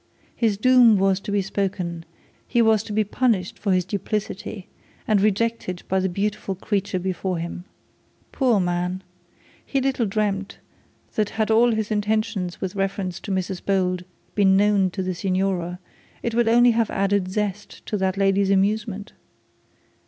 His doom was to be spoken; he was to be punished for his duplicity, and rejected by the beautiful creature before him. Poor man. He little dreamt that had all his intentions with reference to Mrs Bold been known to the signora, it would only have added zest to that lady's amusement.